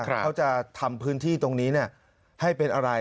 เขาจะทำพื้นที่ตรงนี้ให้เป็นอะไร